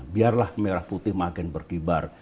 biarlah merah putih makin berkibar